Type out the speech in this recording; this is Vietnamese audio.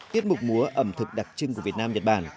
tiết mục múa ẩm thực đặc trưng của việt nam nhật bản